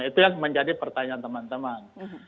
itu yang menjadi pertanyaan teman teman